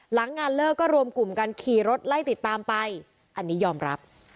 หลังงานเลิกก็รวมกลุ่มกันขี่รถไล่ติดตามไปอันนี้ยอมรับ